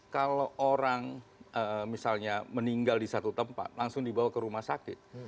kalau orang misalnya meninggal di satu tempat langsung dibawa ke rumah sakit